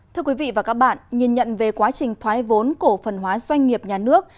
thưa quý vị và các bạn nhìn nhận về quá trình thoái vốn cổ phần hóa doanh nghiệp nhà nước